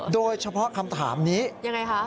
โดยเฉพาะคำถามนี้ยังไงคะ